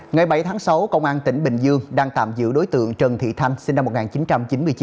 ngày bảy tháng sáu công an tỉnh bình dương đang tạm giữ đối tượng trần thị thanh sinh năm một nghìn chín trăm chín mươi chín